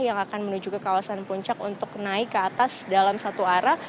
yang akan menuju ke kawasan puncak untuk naik ke atas dalam satu arah